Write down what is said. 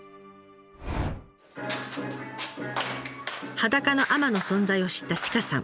裸の海女の存在を知った千賀さん。